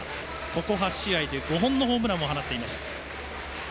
ここ８試合で５本のホームランを放っています。